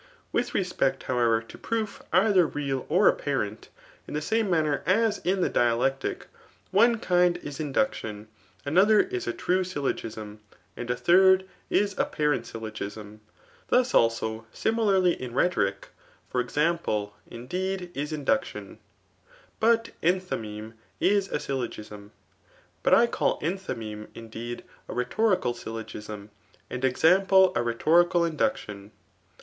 With reelect, however, to proof eitber real oar appn^ rent, in the same numner as hi dialectiCt one kind is induction, another is (a true3 syllogism, sad a thind is apparent syllogism ; thus, also, similarly m rhetoric ; for eiample, iodeed, is induction } bnt enthymesie is a syl logism. But I call enthymeme^ indeed, a rhetoric^ styU iogism i and exanqde a rfaetbiical induction.